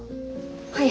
はい。